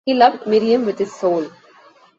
He loved Miriam with his soul.